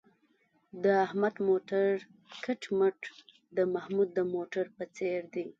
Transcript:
د احمد موټر کټ مټ د محمود د موټر په څېر دی.